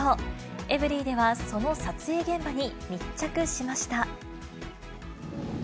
エブリィでは、その撮影現場に密着しました。